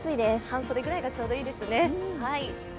半袖ぐらいがちょうどいいですね。